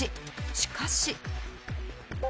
しかし。